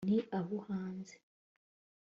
ni abo hanze